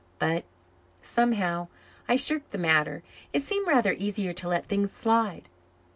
But, somehow, I shirked the matter. It seemed rather easier to let things slide.